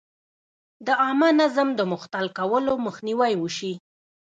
د عامه نظم د مختل کولو مخنیوی وشي.